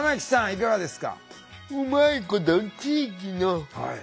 いかがですか？